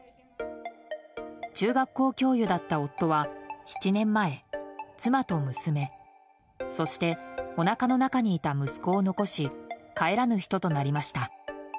中学校教諭だった夫は７年前妻と娘、そしておなかの中にいた息子を残し帰らぬ人となりました。